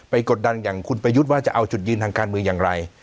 กดดันอย่างคุณประยุทธ์ว่าจะเอาจุดยืนทางการเมืองอย่างไร